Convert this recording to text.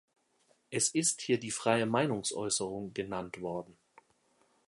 Es ist hier die freie Meinungsäußerung genannt worden.